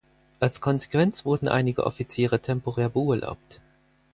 Als Konsequenz wurden einige Offiziere temporär beurlaubt.